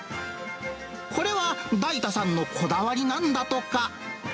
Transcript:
これは大太さんのこだわりなんだとか。